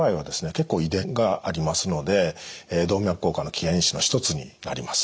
結構遺伝がありますので動脈硬化の危険因子の一つになります。